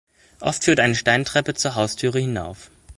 Oft führt eine Steintreppe zur Haustüre hinauf.